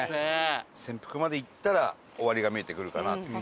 千福まで行ったら終わりが見えてくるかなっていう。